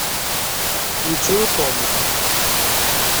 Yettru Tom.